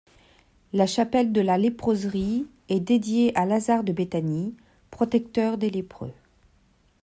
La chapelle de la léproserie est dédiée à Lazare de Béthanie, protecteur des lépreux.